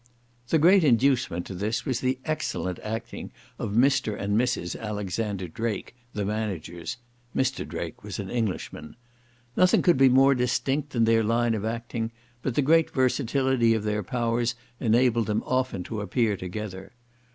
The great inducement to this was the excellent acting of Mr. and Mrs. Alexander Drake, the managers. Nothing could be more distinct than their line of acting, but the great versatility of their powers enabled them often to appear together.